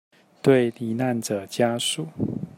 對罹難者家屬